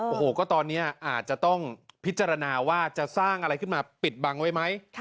โอ้โหก็ตอนนี้อาจจะต้องพิจารณาว่าจะสร้างอะไรขึ้นมาปิดบังไว้ไหม